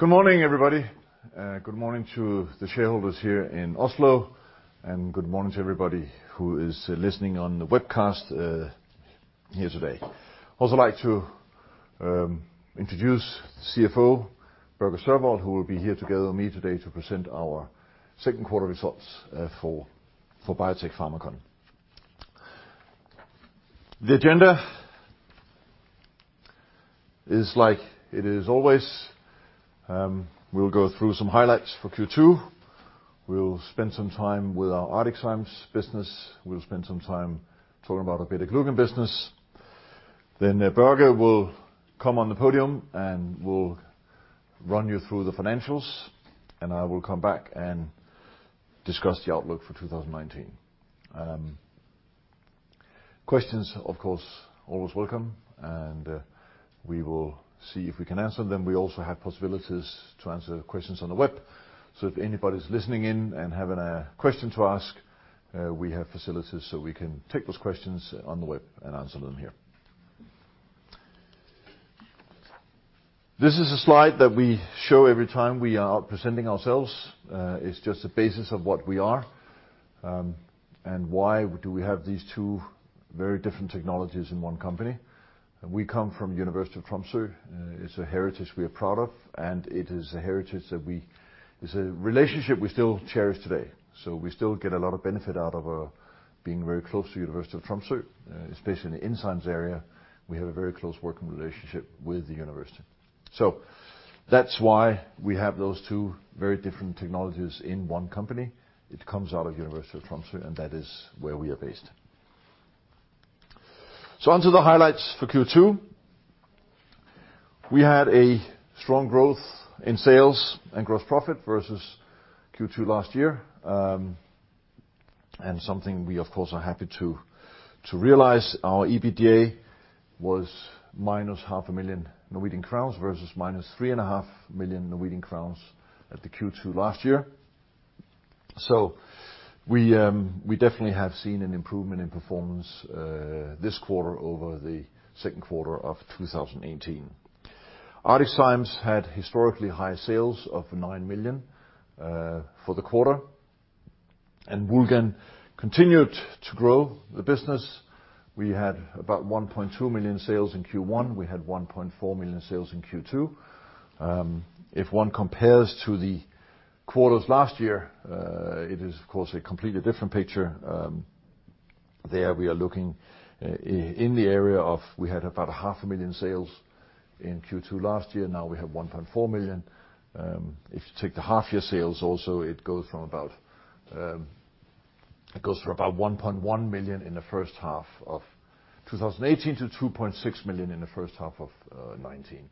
Good morning, everybody. Good morning to the shareholders here in Oslo, and good morning to everybody who is listening on the webcast here today. Also like to introduce CFO Børge Sørvoll, who will be here together with me today to present our second quarter results for Biotec Pharmacon. The agenda is like it is always. We'll go through some highlights for Q2. We'll spend some time with our ArcticZymes business. We'll spend some time talking about our BetaGlucan business. Børge will come on the podium and will run you through the financials, and I will come back and discuss the outlook for 2019. Questions, of course, always welcome, and we will see if we can answer them. We also have possibilities to answer questions on the web. If anybody's listening in and having a question to ask, we have facilities so we can take those questions on the web and answer them here. This is a slide that we show every time we are presenting ourselves. It's just the basis of what we are, and why do we have these two very different technologies in one company. We come from University of Tromsø. It's a heritage we are proud of, and it is a heritage. It's a relationship we still cherish today. We still get a lot of benefit out of being very close to University of Tromsø. Especially in the enzymes area, we have a very close working relationship with the university. That's why we have those two very different technologies in one company. It comes out of University of Tromsø, and that is where we are based. On to the highlights for Q2. We had a strong growth in sales and gross profit versus Q2 last year. Something we of course are happy to realize, our EBITDA was minus half a million NOK versus minus three and a half million NOK at the Q2 last year. We definitely have seen an improvement in performance this quarter over the second quarter of 2018. ArcticZymes had historically high sales of 9 million for the quarter. Woulgan continued to grow the business. We had about 1.2 million in sales in Q1. We had 1.4 million in sales in Q2. If one compares to the quarters last year, it is of course a completely different picture. There we are looking in the area of we had about a half a million NOK in sales in Q2 last year. Now we have 1.4 million. If you take the half year sales also, it goes from about 1.1 million in the first half of 2018 to 2.6 million in the first half of 2019.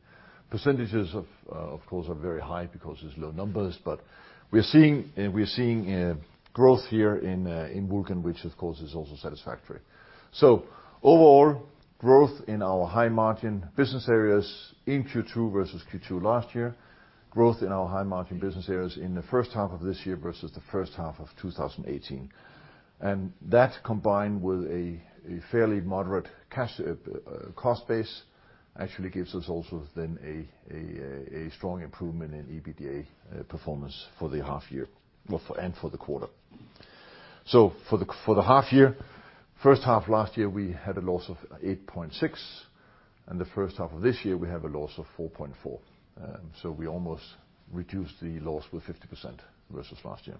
Percentages of course are very high because it's low numbers, but we're seeing growth here in Woulgan, which of course is also satisfactory. Overall growth in our high margin business areas in Q2 versus Q2 last year. Growth in our high margin business areas in the first half of this year versus the first half of 2018. That combined with a fairly moderate cost base actually gives us also then a strong improvement in EBITDA performance for the half year and for the quarter. For the half year, first half last year, we had a loss of 8.6, and the first half of this year, we have a loss of 4.4. We almost reduced the loss with 50% versus last year.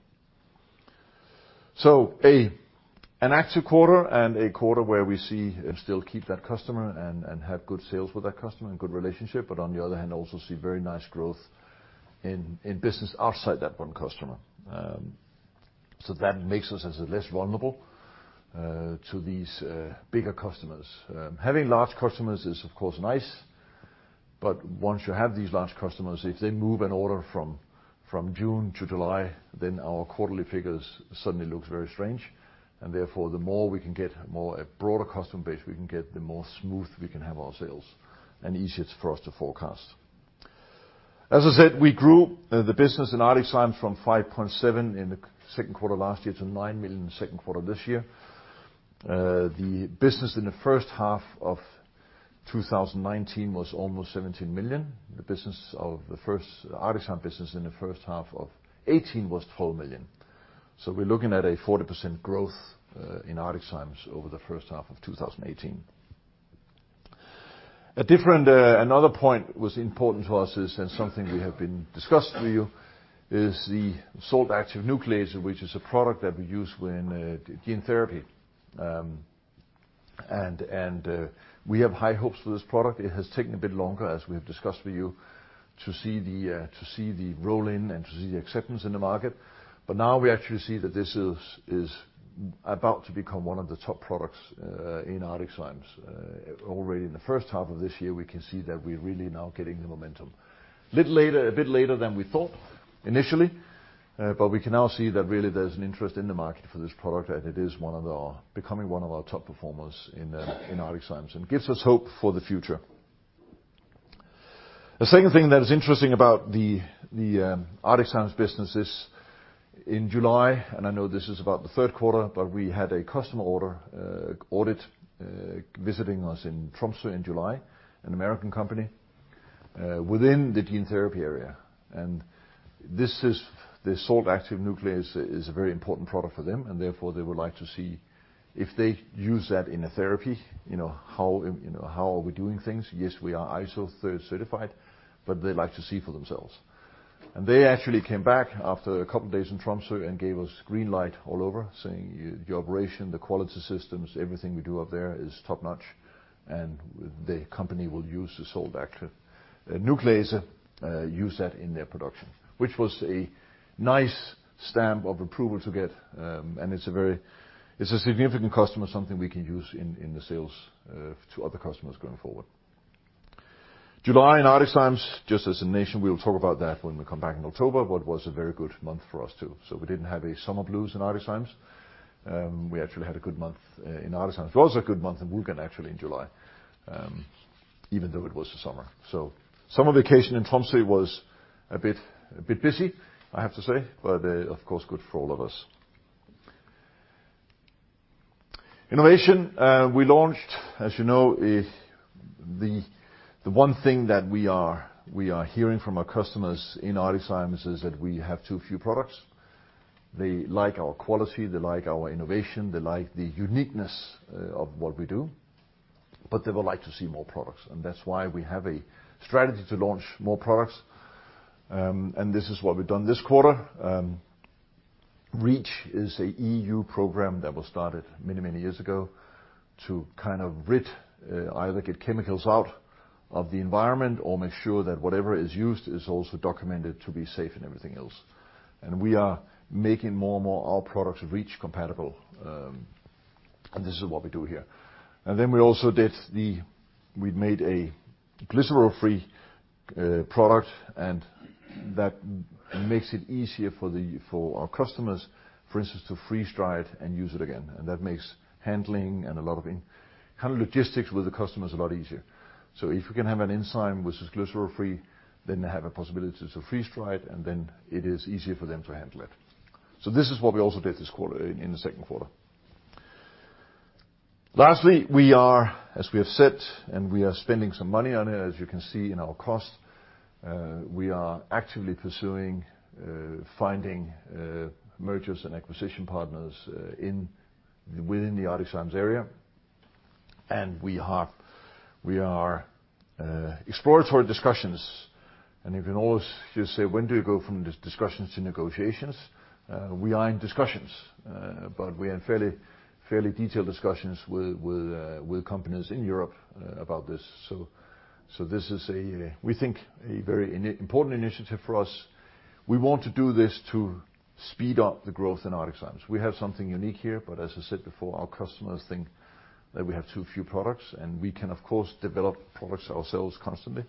An active quarter and a quarter where we see and still keep that customer and have good sales with that customer and good relationship, but on the other hand, also see very nice growth in business outside that one customer. That makes us less vulnerable to these bigger customers. Having large customers is of course nice, but once you have these large customers, if they move an order from June to July, then our quarterly figures suddenly looks very strange, and therefore the more we can get a broader customer base we can get, the more smooth we can have our sales and easier it's for us to forecast. As I said, we grew the business in ArcticZymes from 5.7 in the second quarter last year to 9 million second quarter this year. The business in the first half of 2019 was almost NOK 17 million. The ArcticZymes business in the first half of 2018 was 12 million. We're looking at a 40% growth in ArcticZymes over the first half of 2018. Another point was important to us is, and something we have been discussing with you, is the Salt Active Nuclease, which is a product that we use in gene therapy. We have high hopes for this product. It has taken a bit longer, as we have discussed with you, to see the roll-in and to see the acceptance in the market. Now we actually see that this is about to become one of the top products in ArcticZymes. Already in the first half of this year, we can see that we're really now getting the momentum. A bit later than we thought initially, but we can now see that really there's an interest in the market for this product, and it is becoming one of our top performers in ArcticZymes and gives us hope for the future. The second thing that is interesting about the ArcticZymes business is in July, and I know this is about the third quarter, but we had a customer order audit visiting us in Tromsø in July, an American company, within the gene therapy area. The Salt Active Nuclease is a very important product for them, and therefore they would like to see if they use that in a therapy, how are we doing things? Yes, we are ISO 13485 certified, but they like to see for themselves. They actually came back after a couple of days in Tromsø and gave us green light all over, saying the operation, the quality systems, everything we do up there is top-notch, and the company will use the Salt Active Nuclease, use that in their production, which was a nice stamp of approval to get. It's a significant customer, something we can use in the sales to other customers going forward. July in ArcticZymes, just as a nation, we'll talk about that when we come back in October, but it was a very good month for us, too. We didn't have a summer blues in ArcticZymes. We actually had a good month in ArcticZymes. It was a good month in Woulgan, actually, in July, even though it was the summer. Summer vacation in Tromsø was a bit busy, I have to say, but of course, good for all of us. Innovation. We launched, as you know, the one thing that we are hearing from our customers in ArcticZymes is that we have too few products. They like our quality. They like our innovation. They like the uniqueness of what we do, but they would like to see more products, and that's why we have a strategy to launch more products. This is what we've done this quarter. REACH is a EU program that was started many, many years ago to kind of get chemicals out of the environment or make sure that whatever is used is also documented to be safe and everything else. We are making more and more our products REACH compatible, and this is what we do here. We made a glycerol-free product, and that makes it easier for our customers, for instance, to freeze-dry it and use it again. That makes handling and a lot of logistics with the customers a lot easier. If we can have an enzyme which is glycerol-free, then they have a possibility to freeze-dry it, and then it is easier for them to handle it. This is what we also did this quarter in the second quarter. Lastly, we are, as we have said, and we are spending some money on it, as you can see in our costs, we are actively pursuing finding mergers and acquisition partners within the ArcticZymes area. We are exploratory discussions. You can always just say, when do you go from discussions to negotiations? We are in discussions, we are in fairly detailed discussions with companies in Europe about this. This is a, we think, a very important initiative for us. We want to do this to speed up the growth in ArcticZymes. We have something unique here, but as I said before, our customers think that we have too few products, and we can, of course, develop products ourselves constantly.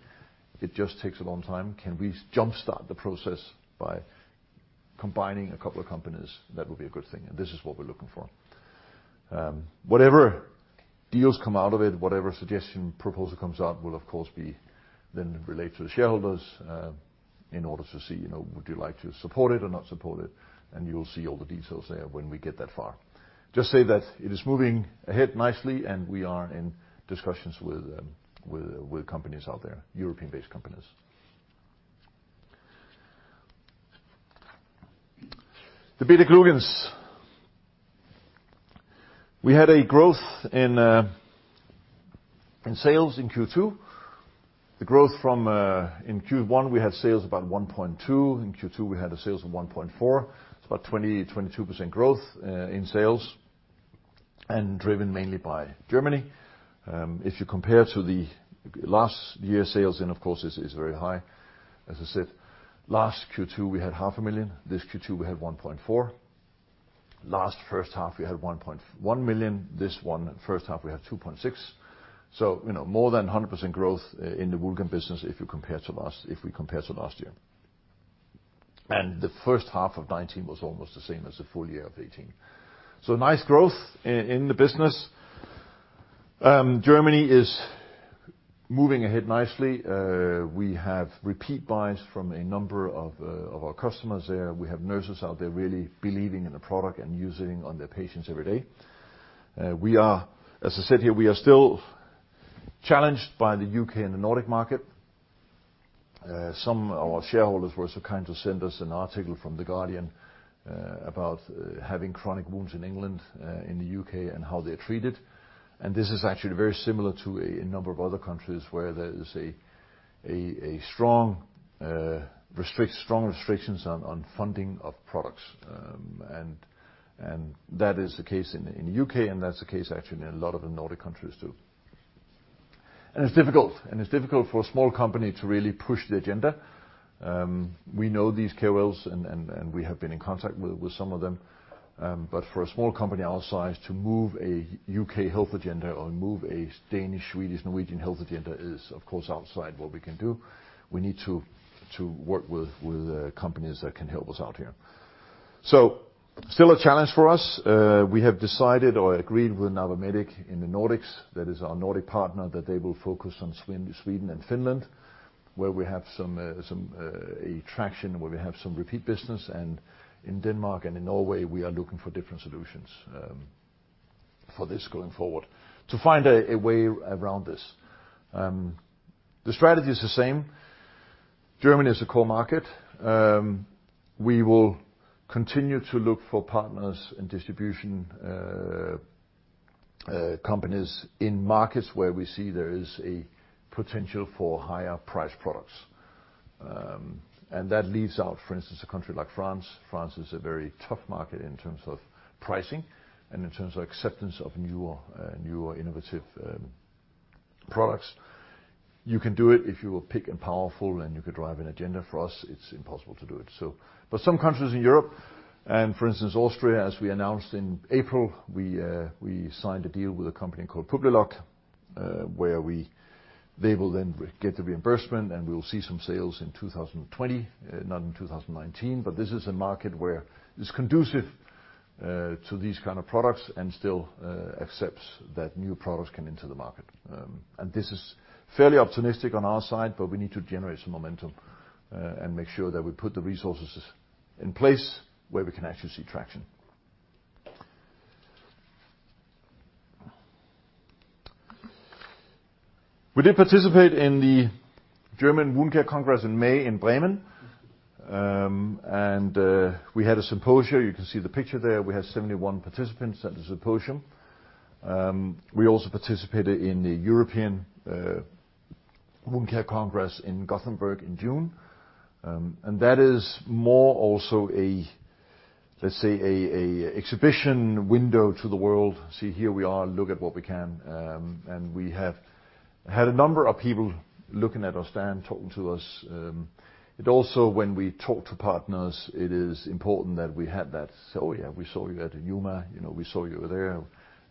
It just takes a long time. Can we jumpstart the process by combining a couple of companies? That would be a good thing, and this is what we're looking for. Whatever deals come out of it, whatever suggestion, proposal comes out, will of course be then relayed to the shareholders in order to see, would you like to support it or not support it? You'll see all the details there when we get that far. Just say that it is moving ahead nicely, and we are in discussions with companies out there, European-based companies. The beta-glucans. We had a growth in sales in Q2. The growth from in Q1, we had sales about 1.2 million. In Q2, we had a sales of 1.4 million. It's about 20%-22% growth in sales and driven mainly by Germany. If you compare to the last year's sales, and of course, this is very high. As I said, last Q2, we had NOK half a million. This Q2, we had 1.4 million. Last first half, we had 1.1 million. This one, first half, we had 2.6 million. More than 100% growth in the Woulgan business if we compare to last year. The first half of 2019 was almost the same as the full year of 2018. Nice growth in the business. Germany is moving ahead nicely. We have repeat buys from a number of our customers there. We have nurses out there really believing in the product and using on their patients every day. As I said here, we are still challenged by the U.K. and the Nordic market. Some of our shareholders were so kind to send us an article from The Guardian about having chronic wounds in England, in the U.K., and how they're treated. This is actually very similar to a number of other countries where there is strong restrictions on funding of products. That is the case in the U.K., and that's the case actually in a lot of the Nordic countries, too. It's difficult for a small company to really push the agenda. We know these KOLs, and we have been in contact with some of them. For a small company our size to move a U.K. health agenda or move a Danish, Swedish, Norwegian health agenda is, of course, outside what we can do. We need to work with companies that can help us out here. Still a challenge for us. We have decided or agreed with Navamedic in the Nordics, that is our Nordic partner, that they will focus on Sweden and Finland, where we have a traction, where we have some repeat business and in Denmark and in Norway, we are looking for different solutions for this going forward to find a way around this. The strategy is the same. Germany is a core market. We will continue to look for partners in distribution companies in markets where we see there is a potential for higher priced products. That leaves out, for instance, a country like France. France is a very tough market in terms of pricing and in terms of acceptance of newer innovative products. You can do it if you are big and powerful and you can drive an agenda. For us, it's impossible to do it. Some countries in Europe, and for instance, Austria, as we announced in April, we signed a deal with a company called Publicis where they will then get the reimbursement and we will see some sales in 2020, not in 2019. This is a market where it's conducive to these kind of products and still accepts that new products come into the market. This is fairly optimistic on our side, but we need to generate some momentum and make sure that we put the resources in place where we can actually see traction. We did participate in the German Wound Care Congress in May in Bremen. We had a symposia. You can see the picture there. We had 71 participants at the symposium. We also participated in the European Wound Care Congress in Gothenburg in June. That is more also a exhibition window to the world. See, here we are, look at what we can. We have had a number of people looking at our stand, talking to us. It also, when we talk to partners, it is important that we had that, say, "Oh, yeah, we saw you at EWMA, we saw you over there."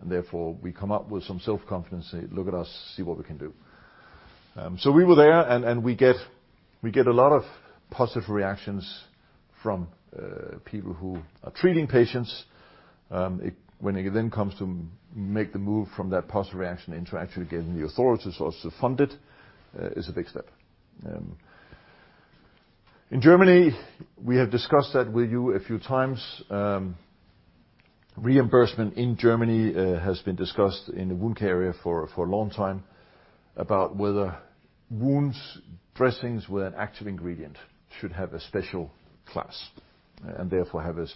Therefore, we come up with some self-confidence, say, "Look at us, see what we can do." We were there and we get a lot of positive reactions from people who are treating patients. When it then comes to make the move from that positive reaction into actually getting the authorities also fund it is a big step. In Germany, we have discussed that with you a few times. Reimbursement in Germany has been discussed in the wound care area for a long time about whether wound dressings with an active ingredient should have a special class, and therefore have a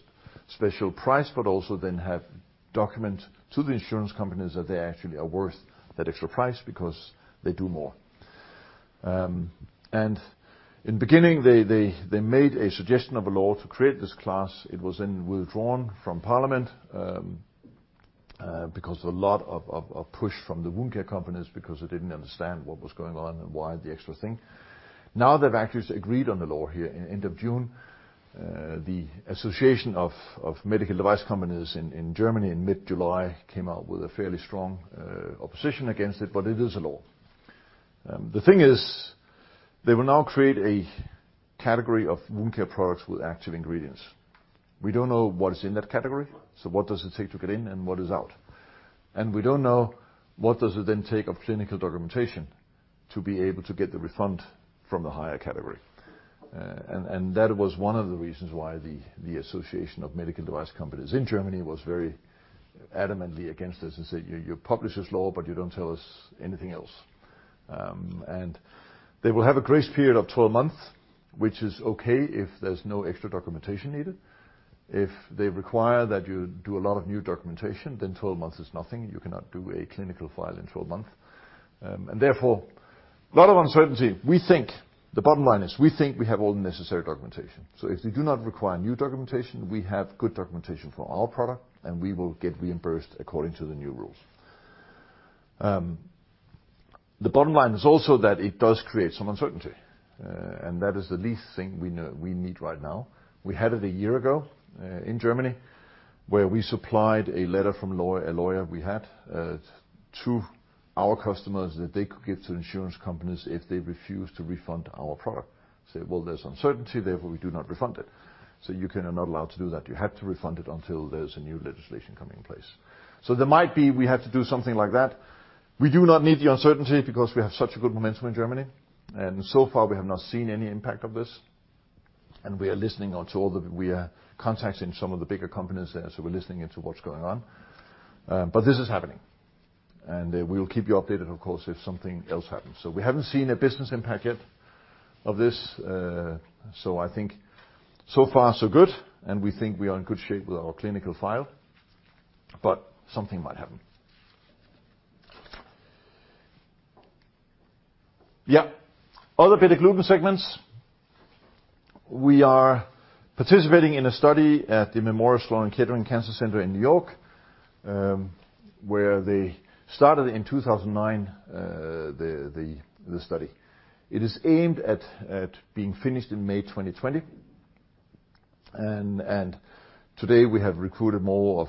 special price, but also then have document to the insurance companies that they actually are worth that extra price because they do more. In beginning, they made a suggestion of a law to create this class. It was then withdrawn from parliament because of a lot of push from the wound care companies because they didn't understand what was going on and why the extra thing. Now they've actually agreed on the law here in end of June. The German Medical Technology Association in mid-July came out with a fairly strong opposition against it, but it is a law. The thing is, they will now create a category of wound care products with active ingredients. We don't know what is in that category, so what does it take to get in and what is out. We don't know what does it then take of clinical documentation to be able to get the refund from the higher category. That was one of the reasons why the German Medical Technology Association was very adamantly against this and said, "You publish this law, but you don't tell us anything else." They will have a grace period of 12 months, which is okay if there's no extra documentation needed. If they require that you do a lot of new documentation, then 12 months is nothing. You cannot do a clinical file in 12 month, therefore, a lot of uncertainty. The bottom line is we think we have all the necessary documentation. If they do not require new documentation, we have good documentation for our product, and we will get reimbursed according to the new rules. The bottom line is also that it does create some uncertainty, and that is the least thing we need right now. We had it a year ago in Germany, where we supplied a letter from a lawyer we had to our customers that they could give to insurance companies if they refuse to refund our product, say, "Well, there's uncertainty, therefore, we do not refund it." You cannot allow to do that. You have to refund it until there's a new legislation coming in place. There might be we have to do something like that. We do not need the uncertainty because we have such a good momentum in Germany, and so far, we have not seen any impact of this, and we are listening out to all the We are contacting some of the bigger companies there, so we're listening into what's going on. This is happening, and we will keep you updated, of course, if something else happens. We haven't seen a business impact yet of this, so I think so far so good, and we think we are in good shape with our clinical file, but something might happen. Yeah. Other beta-glucan segments. We are participating in a study at the Memorial Sloan Kettering Cancer Center in New York, where they started in 2009 the study. It is aimed at being finished in May 2020. Today, we have recruited more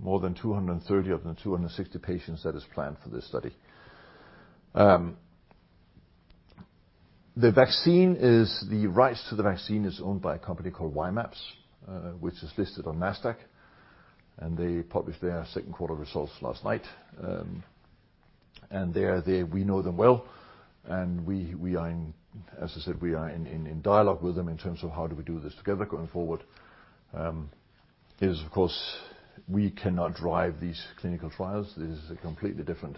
than 230 of the 260 patients that is planned for this study. The vaccine is, the rights to the vaccine is owned by a company called Y-mAbs, which is listed on Nasdaq, they published their second quarter results last night. We know them well, and as I said, we are in dialogue with them in terms of how do we do this together going forward. Of course, we cannot drive these clinical trials. This is a completely different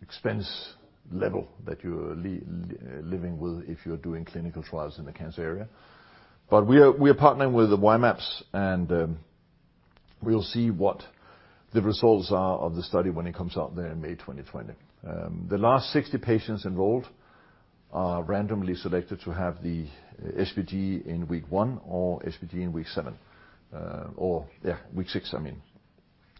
expense level that you're living with if you're doing clinical trials in the cancer area. We are partnering with Y-mAbs, and we'll see what the results are of the study when it comes out there in May 2020. The last 60 patients enrolled are randomly selected to have the SBG in week one or SBG in week seven,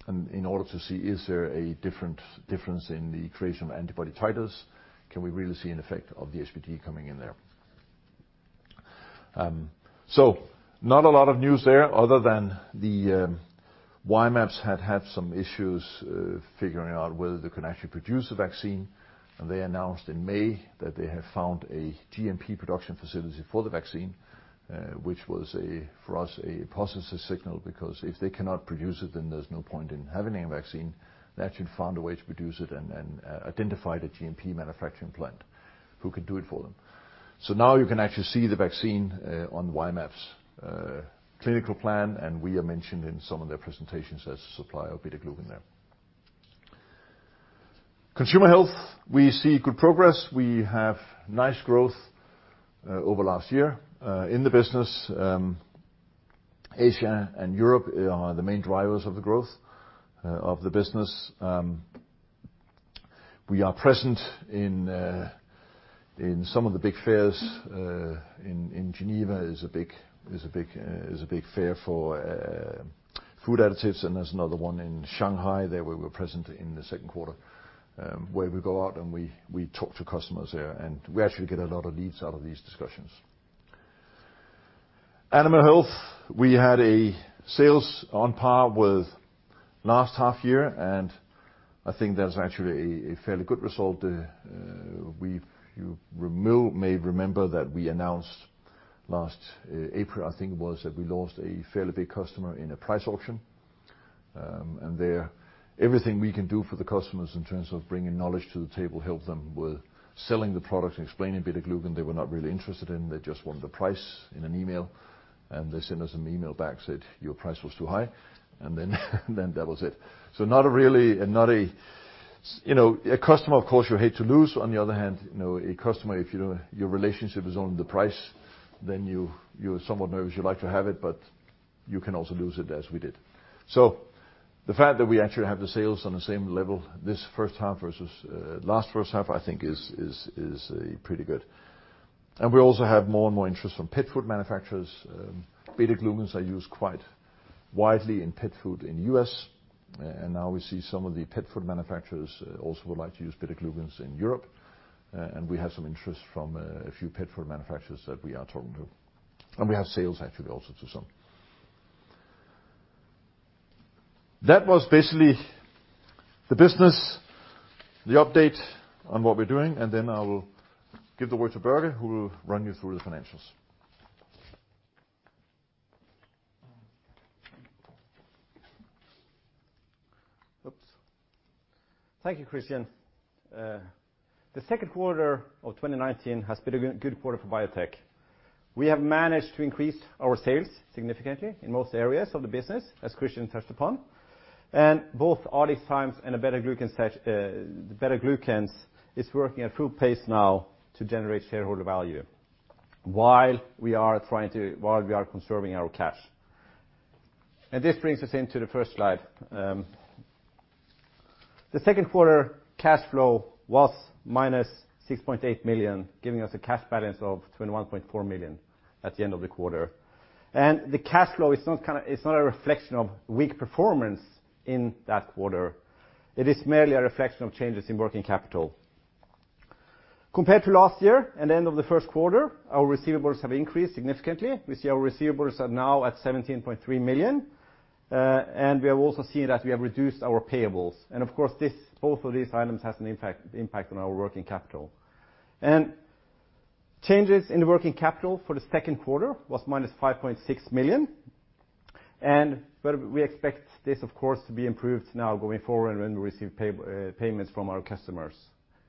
in order to see is there a difference in the creation of antibody titers, can we really see an effect of the SBG coming in there? Not a lot of news there other than the Y-mAbs had some issues figuring out whether they can actually produce the vaccine. They announced in May that they have found a GMP production facility for the vaccine, which was for us a positive signal, because if they cannot produce it, then there's no point in having a vaccine. They actually found a way to produce it and identified a GMP manufacturing plant who can do it for them. Now you can actually see the vaccine on Y-mAbs' clinical plan, and we are mentioned in some of their presentations as a supplier of beta-glucan there. Consumer Health, we see good progress. We have nice growth over last year in the business. Asia and Europe are the main drivers of the growth of the business. We are present in some of the big fairs. In Geneva is a big fair for food additives, and there's another one in Shanghai. There we were present in the second quarter, where we go out and we talk to customers there, and we actually get a lot of leads out of these discussions. Animal Health, we had a sales on par with last half year, and I think that's actually a fairly good result. You may remember that we announced last April, I think it was, that we lost a fairly big customer in a price auction. There, everything we can do for the customers in terms of bringing knowledge to the table, help them with selling the product and explaining beta-glucan, they were not really interested in. They just wanted the price in an email, and they sent us an email back, said, "Your price was too high," and then that was it. A customer, of course, you hate to lose. On the other hand, a customer, if your relationship is on the price, then you're somewhat nervous. You like to have it, but you can also lose it as we did. The fact that we actually have the sales on the same level this first half versus last first half, I think is pretty good. We also have more and more interest from pet food manufacturers. beta-glucans are used quite widely in pet food in the U.S., and now we see some of the pet food manufacturers also would like to use beta-glucans in Europe. We have some interest from a few pet food manufacturers that we are talking to. We have sales actually also to some. That was basically the business, the update on what we're doing, and then I will give the word to Børge, who will run you through the financials. Oops. Thank you, Christian. The second quarter of 2019 has been a good quarter for Biotec Pharmacon. We have managed to increase our sales significantly in most areas of the business, as Christian touched upon. Both ArcticZymes and the beta-glucans is working at full pace now to generate shareholder value while we are conserving our cash. This brings us into the first slide. The second quarter cash flow was -6.8 million, giving us a cash balance of 21.4 million at the end of the quarter. The cash flow is not a reflection of weak performance in that quarter. It is merely a reflection of changes in working capital. Compared to last year and the end of the first quarter, our receivables have increased significantly. We see our receivables are now at 17.3 million. We have also seen that we have reduced our payables. Of course, both of these items has an impact on our working capital. Changes in working capital for the second quarter was minus 5.6 million, we expect this, of course, to be improved now going forward when we receive payments from our customers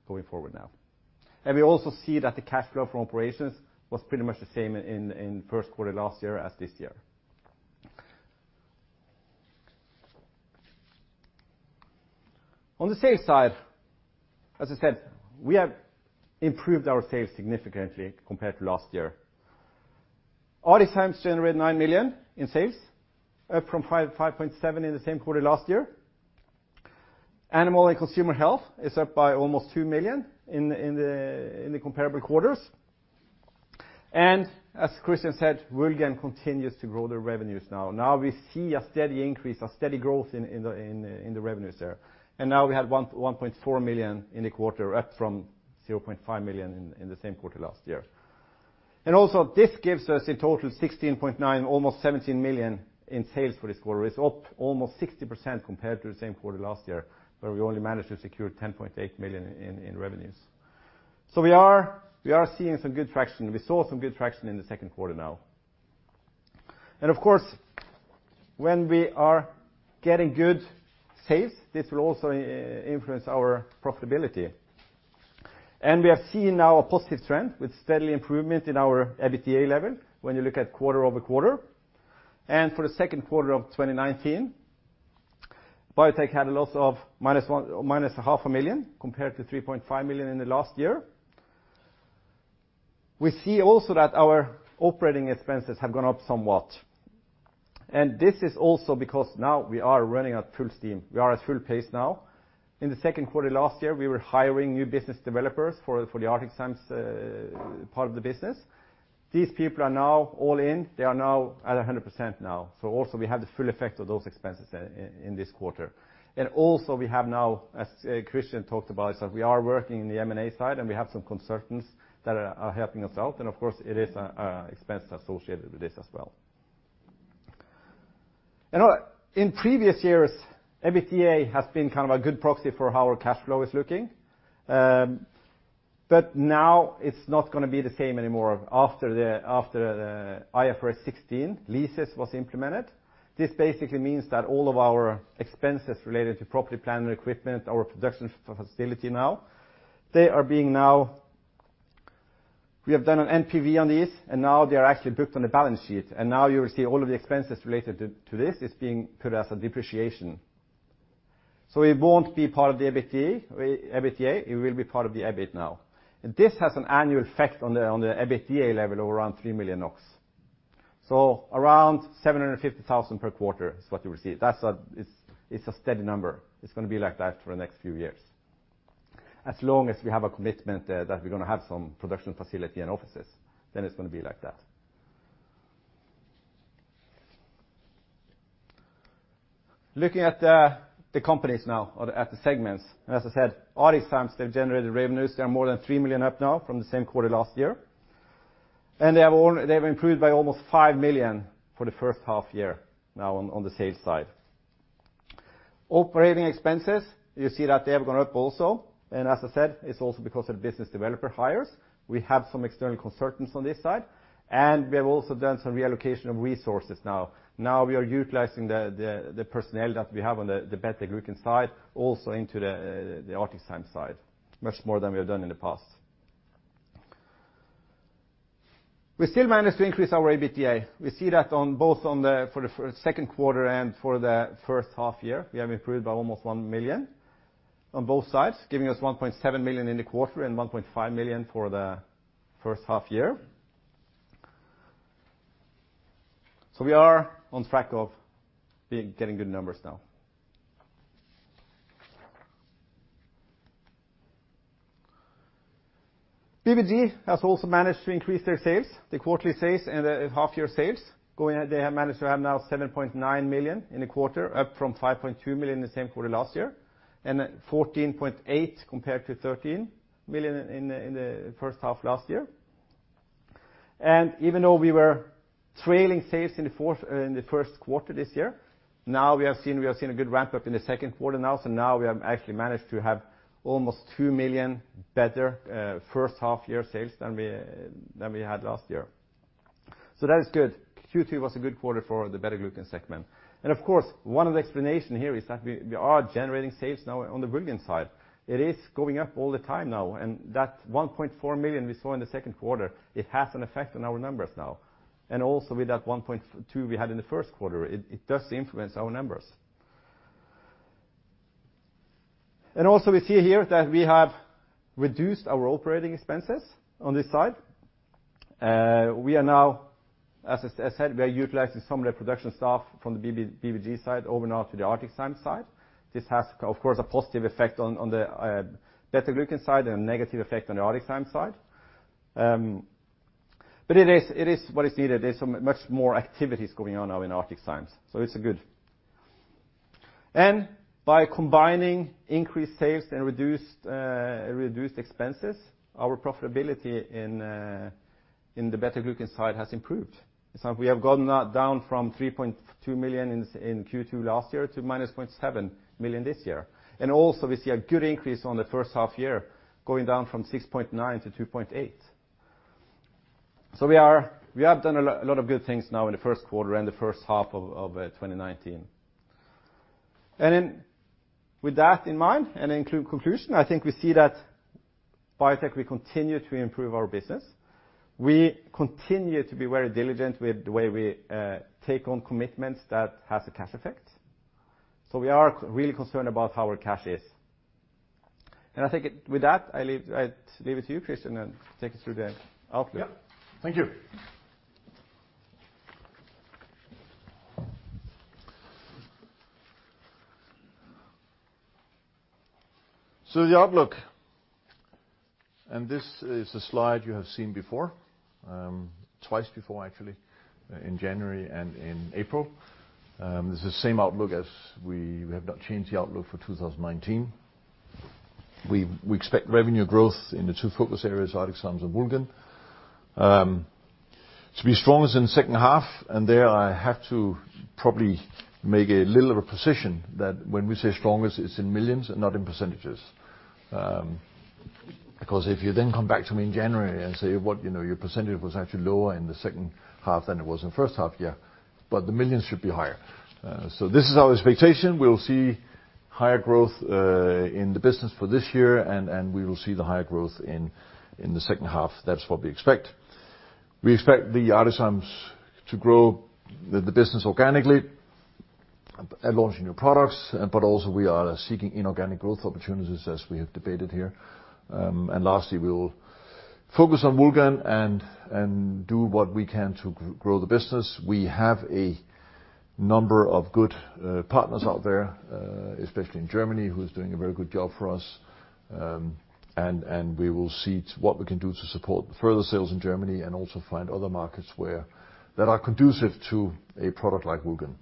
going forward now. We also see that the cash flow from operations was pretty much the same in first quarter last year as this year. On the sales side, as I said, we have improved our sales significantly compared to last year. ArcticZymes generated 9 million in sales, up from 5.7 million in the same quarter last year. Animal and Consumer Health is up by almost 2 million in the comparable quarters. As Christian said, Woulgan continues to grow their revenues now. Now we see a steady increase, a steady growth in the revenues there. Now we have 1.4 million in the quarter, up from 0.5 million in the same quarter last year. This gives us in total 16.9, almost 17 million in sales for this quarter. It's up almost 60% compared to the same quarter last year, where we only managed to secure 10.8 million in revenues. We are seeing some good traction. We saw some good traction in the second quarter now. Of course, when we are getting good sales, this will also influence our profitability. We have seen now a positive trend with steady improvement in our EBITDA level when you look at quarter-over-quarter. For the second quarter of 2019, Biotec Pharmacon had a loss of minus a half a million, compared to 3.5 million in the last year. We see also that our operating expenses have gone up somewhat. This is also because now we are running at full steam. We are at full pace now. In the second quarter last year, we were hiring new business developers for the ArcticZymes part of the business. These people are now all in. They are now at 100% now. Also we have the full effect of those expenses in this quarter. Also we have now, as Christian talked about, we are working in the M&A side, and we have some consultants that are helping us out, and of course, it is an expense associated with this as well. In previous years, EBITDA has been a good proxy for how our cash flow is looking. Now it's not going to be the same anymore after the IFRS 16 leases was implemented. This basically means that all of our expenses related to property, plant, and equipment, our production facility now, we have done an NPV on these, and now they are actually booked on the balance sheet. Now you will see all of the expenses related to this is being put as a depreciation. It won't be part of the EBITDA, it will be part of the EBIT now. This has an annual effect on the EBITDA level of around 3 million NOK. Around 750,000 per quarter is what you will see. It's a steady number. It's going to be like that for the next few years. As long as we have a commitment that we're going to have some production facility and offices, then it's going to be like that. Looking at the companies now, or at the segments. As I said, ArcticZymes, they've generated revenues. They are more than 3 million up now from the same quarter last year. They've improved by almost 5 million for the first half year now on the sales side. Operating expenses, you see that they have gone up also. As I said, it's also because of the business developer hires. We have some external consultants on this side, and we have also done some reallocation of resources now. Now we are utilizing the personnel that we have on the Beta Glucan side, also into the ArcticZymes side, much more than we have done in the past. We still managed to increase our EBITDA. We see that both for the second quarter and for the first half year. We have improved by almost 1 million on both sides, giving us 1.7 million in the quarter and 1.5 million for the first half year. We are on track of getting good numbers now. BBG has also managed to increase their sales, the quarterly sales, and the half year sales. They have managed to have now 7.9 million in the quarter, up from 5.2 million in the same quarter last year, and 14.8 million compared to 13 million in the first half last year. Even though we were trailing sales in the first quarter this year, now we have seen a good ramp-up in the second quarter now. Now we have actually managed to have almost 2 million better first half year sales than we had last year. That is good. Q2 was a good quarter for the beta-glucan segment. Of course, one of the explanation here is that we are generating sales now on the Woulgan side. It is going up all the time now. That 1.4 million we saw in the second quarter, it has an effect on our numbers now. Also with that 1.2 we had in the first quarter, it does influence our numbers. Also we see here that we have reduced our operating expenses on this side. We are now, as I said, we are utilizing some of the production staff from the BBG side over now to the ArcticZymes side. This has, of course, a positive effect on the Biotec BetaGlucans side and a negative effect on the ArcticZymes side. It is what is needed. There's much more activities going on now in ArcticZymes, so it's good. By combining increased sales and reduced expenses, our profitability in the Biotec BetaGlucans side has improved. We have gone down from 3.2 million in Q2 last year to minus 0.7 million this year. Also we see a good increase on the first half year, going down from 6.9 to 2.8. We have done a lot of good things now in the first quarter and the first half of 2019. With that in mind, and in conclusion, I think we see that Biotec Pharmacon, we continue to improve our business. We continue to be very diligent with the way we take on commitments that has a cash effect. We are really concerned about how our cash is. I think with that, I leave it to you, Christian, and take us through the outlook. Thank you. The outlook, and this is a slide you have seen before, twice before actually, in January and in April. This is the same outlook as we have not changed the outlook for 2019. We expect revenue growth in the two focus areas, ArcticZymes and Woulgan, to be strongest in the second half. There I have to probably make a little reposition that when we say strongest, it's in millions and not in percentages. If you then come back to me in January and say, "What? Your percentage was actually lower in the second half than it was in the first half." The millions should be higher. This is our expectation. We'll see higher growth in the business for this year, and we will see the higher growth in the second half. That's what we expect. We expect the ArcticZymes to grow the business organically and launch new products, also we are seeking inorganic growth opportunities as we have debated here. Lastly, we will focus on Woulgan and do what we can to grow the business. We have a number of good partners out there, especially in Germany, who's doing a very good job for us. We will see what we can do to support further sales in Germany and also find other markets that are conducive to a product like Woulgan.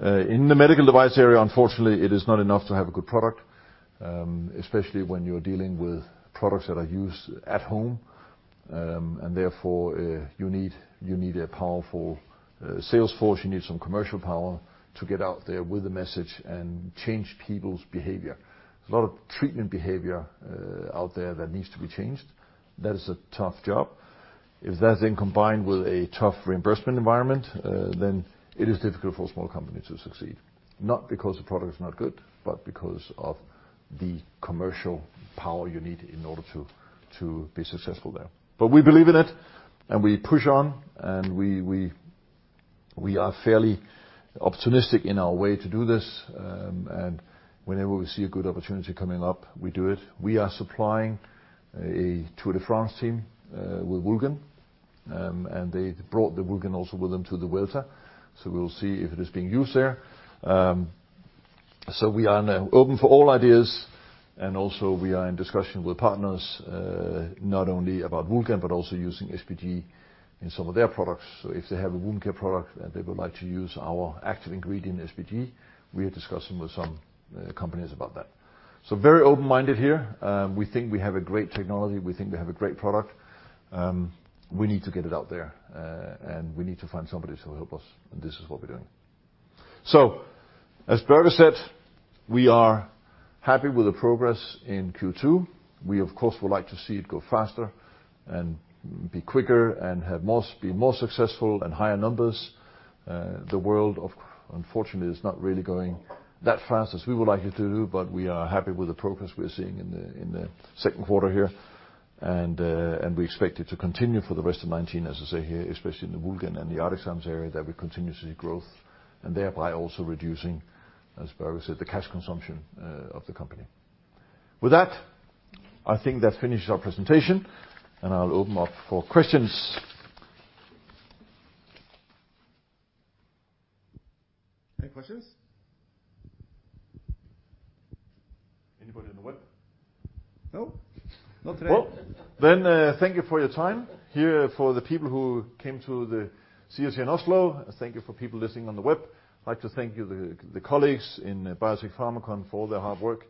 In the medical device area, unfortunately, it is not enough to have a good product, especially when you're dealing with products that are used at home, therefore, you need a powerful sales force. You need some commercial power to get out there with the message and change people's behavior. There's a lot of treatment behavior out there that needs to be changed. That is a tough job. If that's then combined with a tough reimbursement environment, then it is difficult for a small company to succeed. Not because the product is not good, but because of the commercial power you need in order to be successful there. We believe in it, we push on, and we are fairly optimistic in our way to do this. Whenever we see a good opportunity coming up, we do it. We are supplying a Tour de France team with Woulgan, and they brought the Woulgan also with them to the Vuelta. We'll see if it is being used there. We are now open for all ideas, and also we are in discussion with partners, not only about Woulgan, but also using SPG in some of their products. If they have a wound care product and they would like to use our active ingredient, SPG, we are discussing with some companies about that. Very open-minded here. We think we have a great technology. We think we have a great product. We need to get it out there, and we need to find somebody to help us, and this is what we're doing. As Børge said, we are happy with the progress in Q2. We of course, would like to see it go faster and be quicker and be more successful and higher numbers. The world unfortunately is not really going that fast as we would like it to, but we are happy with the progress we're seeing in the second quarter here. We expect it to continue for the rest of 2019, as I say here, especially in the Woulgan and the ArcticZymes area, that we continue to see growth and thereby also reducing, as Børge said, the cash consumption of the company. With that, I think that finishes our presentation, and I'll open up for questions. Any questions? Anybody on the web? No. Not today. Thank you for your time here for the people who came to the CSE in Oslo. Thank you for people listening on the web. I'd like to thank the colleagues in Biotec Pharmacon for all their hard work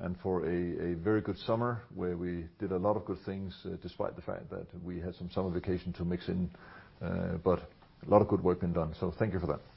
and for a very good summer where we did a lot of good things despite the fact that we had some summer vacation to mix in. A lot of good work been done, so thank you for that.